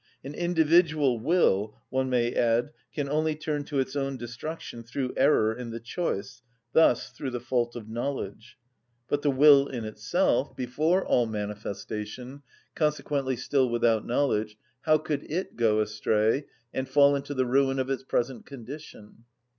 An individual will, one may add, can only turn to its own destruction through error in the choice, thus through the fault of knowledge; but the will in itself, before all manifestation, consequently still without knowledge, how could it go astray and fall into the ruin of its present condition?